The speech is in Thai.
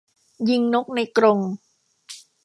ยิงนกในกรง